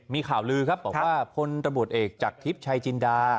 มีข่าวลือครับบอกว่าพลตำรวจเอกจากทิพย์ชายจินดา